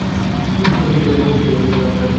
এই টিলায় দুইটা বাঙ্কার আছে।